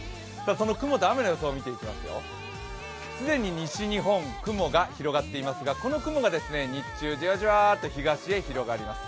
雲と雨の予想を見ていきますよ、既に西日本雲が広がっていますが、この雲が日中じわじわっと東に広がります。